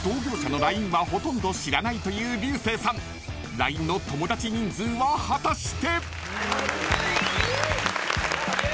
［ＬＩＮＥの友だち人数は果たして？］